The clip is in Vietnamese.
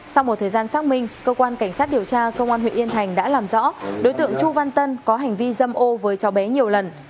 sau một thời gian xác minh cơ quan cảnh sát điều tra công an huyện yên thành đã làm rõ đối tượng chu văn tân có hành vi dâm ô với cháu bé nhiều lần